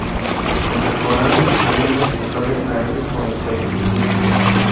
Sus contemporáneos harían responsable a Elío por impericia.